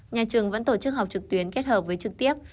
nhà trường vẫn tổ chức học trực tuyến kết hợp với trực tiếp